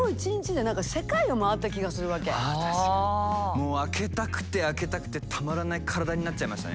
もう開けたくて開けたくてたまらない体になっちゃいましたね。